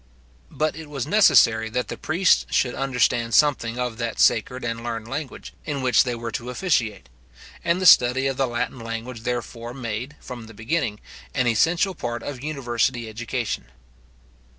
But it was necessary that the priests should understand something of that sacred and learned language in which they were to officiate; and the study of the Latin language therefore made, from the beginning, an essential part of university education.